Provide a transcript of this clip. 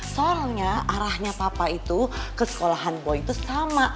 soalnya arahnya papa itu ke sekolahan boeing itu sama